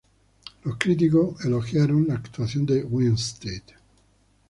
Los críticos elogiaron la actuación de Winstead.